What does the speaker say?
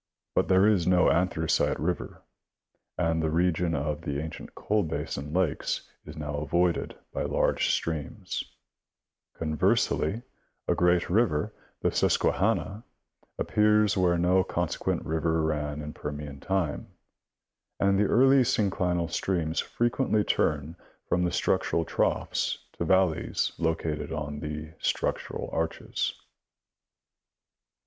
But there is no Anthracite river, and the region of the ancient coal basin lakes is now avoided by large streams ; con versely, a great river — the Susquehanna — appears where no con sequent river ran in Permian time, and the early synclinal streams frequently turn from the structural troughs to valleys located on the structural arches.